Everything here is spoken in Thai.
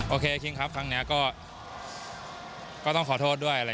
โอเคคิงครับครั้งนี้ก็ต้องขอโทษด้วย